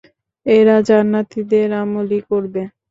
এরা জান্নাতীদের আমলই করবে।